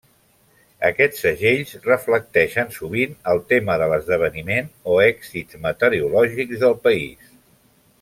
Aquests segells reflecteixen sovint el tema de l'esdeveniment o èxits meteorològics del país.